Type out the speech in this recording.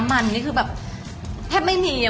มันได้ส่วนใหญ่เลยครับแล้วแป้งน้องพาน